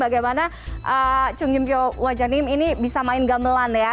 bagaimana sungji piong wanjanim ini bisa main gamelan ya